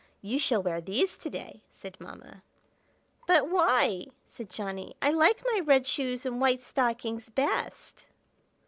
"You shall wear these to day!" said Mamma. "But why?" said Johnny. "I like my red shoes and white stockings best."